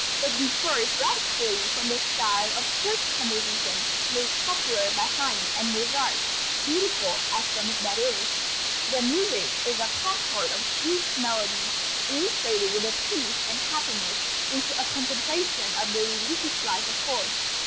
It differs radically from the style of church composition made popular by Haydn and Mozart, beautiful as some of that is. Their music is a concord of sweet melodies, illustrating the peace and happiness which a contemplation of the religious life affords.